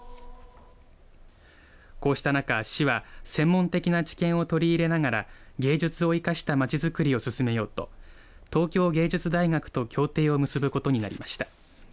こうした中、市は専門的な知見を取り入れながら芸術を生かしたまちづくりを進めようと東京芸術大学と協定を結ぶことになりました。